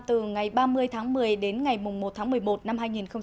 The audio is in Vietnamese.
từ ngày ba mươi tháng một mươi đến ngày một tháng một mươi một năm hai nghìn hai mươi